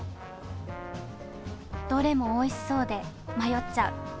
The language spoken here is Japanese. どれもおいしそうで迷っちゃう。